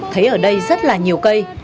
thấy ở đây rất là nhiều cây